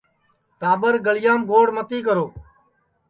ٹاٻرگݪڑیام گوڑ متی کرو